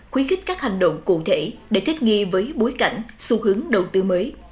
khuyến khích các hành động cụ thể để thích nghi với bối cảnh xu hướng đầu tư mới